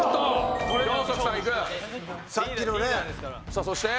さあそして？